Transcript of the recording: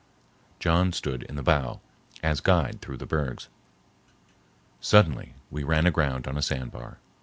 John stood in the bow, as guide through the bergs. Suddenly, we ran aground on a sand bar.